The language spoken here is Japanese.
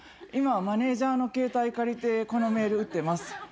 今マネジャーの携帯借りてこのメール打ってます」